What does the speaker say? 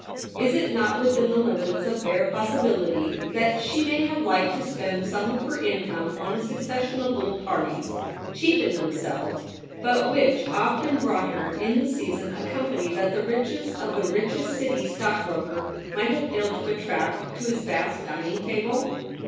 Is it not within the limits of bare possi bility that she may have liked to spend some of her income on a succession of little parties, cheap in themselves, but which often brought her in the season a company that the riches of the richest City stock broker might have failed to attract to his vast dining table